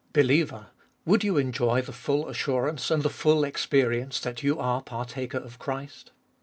Believer! would you enjoy the full assurance and the full experience that you are partaker of Christ